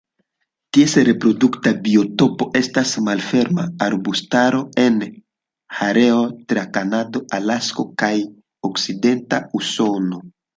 Ties reprodukta biotopo estas malferma arbustaro en areoj tra Kanado, Alasko kaj okcidenta Usono.